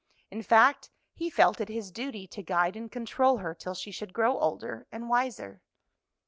In fact, he felt it his duty to guide and control her till she should grow older and wiser."